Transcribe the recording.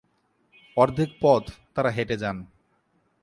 অর্ধেক পথ তারা হেঁটে যান।